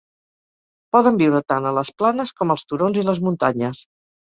Poden viure tant a les planes com els turons i les muntanyes.